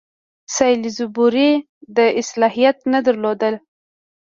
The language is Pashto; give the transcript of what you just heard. سالیزبوري دا صلاحیت نه درلود.